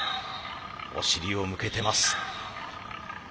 お尻を向けてます。